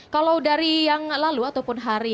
kalau dari yang lalu ataupun hari